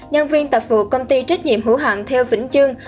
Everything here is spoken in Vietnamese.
nhân viên tạp vụ công ty trách nhiệm hữu hạn theo vĩnh chương